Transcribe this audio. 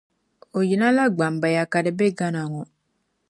O yina la Gbambaya ka di bɛ Ghana ŋɔ.